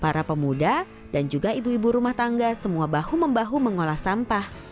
para pemuda dan juga ibu ibu rumah tangga semua bahu membahu mengolah sampah